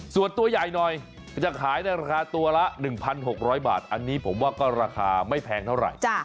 ส่วนตัวใหญ่หน่อยจะขายในราคาตัวละ๑๖๐๐บาทอันนี้ผมว่าก็ราคาไม่แพงเท่าไหร่